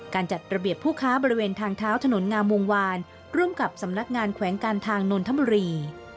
จัดระเบียบผู้ค้าบริเวณทางเท้าถนนงามวงวานร่วมกับสำนักงานแขวงการทางนนทบุรี